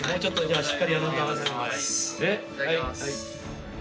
いただきます。